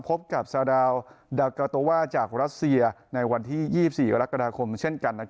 พบกับซาดาวดากาโตว่าจากรัสเซียในวันที่๒๔กรกฎาคมเช่นกัน